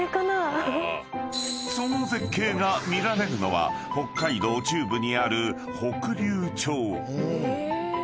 ［その絶景が見られるのは北海道中部にある］